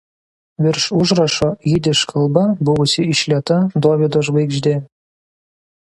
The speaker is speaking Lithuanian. Virš užrašo jidiš kalba buvusi išlieta Dovydo žvaigždė.